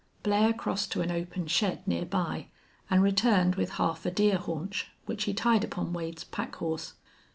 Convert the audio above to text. Blair crossed to an open shed near by and returned with half a deer haunch, which he tied upon Wade's pack horse.